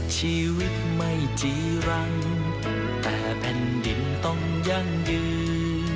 ชีวิตไม่จีรังแต่แผ่นดินต้องยั่งยืน